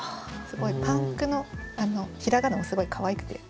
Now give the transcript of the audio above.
「ぱんく」の平仮名もすごいかわいくて。